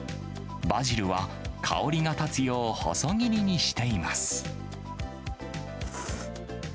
バジルは香りが立つよう、細切りにしています。